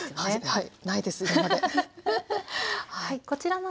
はい。